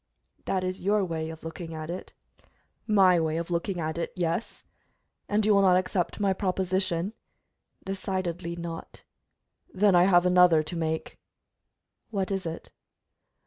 "That is your way of looking at it." "My way of looking at it, yes." "And you will not accept my proposition?" "Decidedly not." "Then I have another to make." "What is it?"